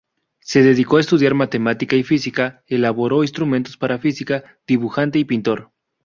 Se dedicó a estudiar matemática y física, elaboró instrumentos para física, dibujante y pintor.